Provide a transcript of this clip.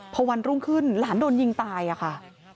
พอวันรุ่งขึ้นหลานโดนยิงตายอะค่ะ